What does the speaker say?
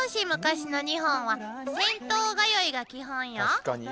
確かに。